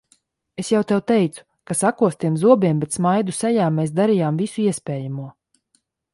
Es jau tev teicu, ka sakostiem zobiem, bet smaidu sejā mēs darījām visu iespējamo.